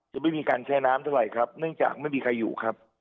จะไม่มีการแช่น้ำเท่าไหร่ครับเนื่องจากไม่มีใครอยู่ครับ